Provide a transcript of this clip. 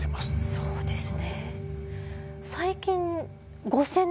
そうです。